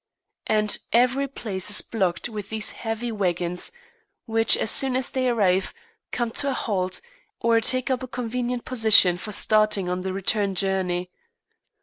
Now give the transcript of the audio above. And every place is blocked with these heavy wagons, which, as soon as they arrive, come to a halt, or take up a convenient position for starting on the return journey.